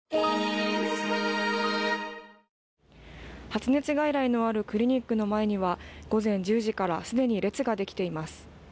発熱外来のあるクリニックの前には午前１０時から既に列ができています。